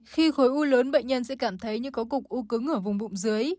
khi khối u lớn bệnh nhân sẽ cảm thấy như có cục u cứng ở vùng bụng dưới